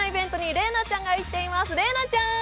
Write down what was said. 麗菜ちゃん。